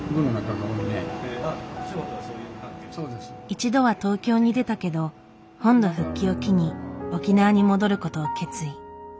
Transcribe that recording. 一度は東京に出たけど本土復帰を機に沖縄に戻る事を決意。